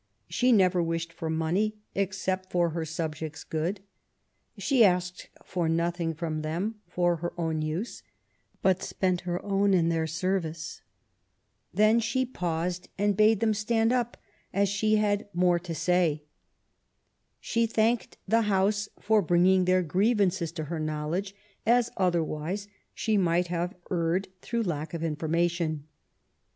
She never wished for money, except for her subjects' good ; she asked for nothing from them for her own use, but spent her own in their service. Then she paused and bade them stand up as she had more to say. She thanked the House for bringing their grievances to her knowledge, as otherwise she might have erred through lack of information.